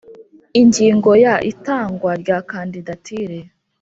Ingingo ya itangwa rya kandidatire